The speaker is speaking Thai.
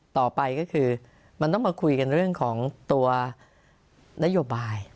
ต่อไปก็คือมันต้องมาคุยกันเรื่องของตัวนโยบาย